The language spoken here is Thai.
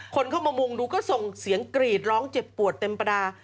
คนเข้ามามุงดูก็ส่งเสียงกรีดร้องเจ็บปวดเต็มประดา